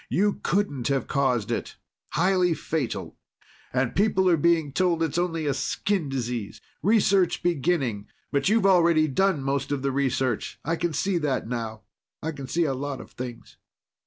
_ You couldn't have caused it. Highly fatal. And people are being told it's only a skin disease. Research beginning. But you've already done most of the research. I can see that now. I can see a lot of things."